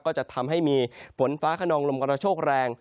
ก็จะทำให้มีฝนฟ้าขนองลมกระโชคแรง